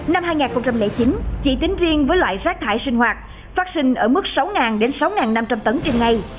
năm hai nghìn chín chỉ tính riêng với loại rác thải sinh hoạt phát sinh ở mức sáu đến sáu năm trăm linh tấn trên ngày